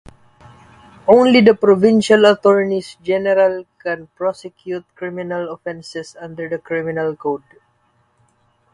Only the provincial attorneys general can prosecute criminal offences under the Criminal Code.